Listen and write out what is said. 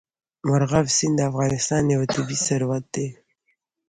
مورغاب سیند د افغانستان یو طبعي ثروت دی.